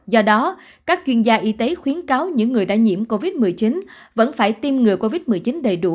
do đó các chuyên gia y tế khuyến cáo những người đã nhiễm covid một mươi chín vẫn phải tiêm ngừa covid một mươi chín đầy đủ